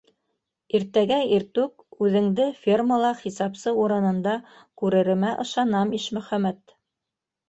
- Иртәгә иртүк үҙеңде фермала хисапсы урынында күреремә ышанам, Ишмөхәмәт.